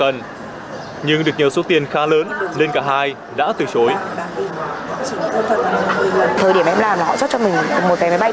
nhưng được nhờ số tiền khá lớn nên cả hai đã từ chối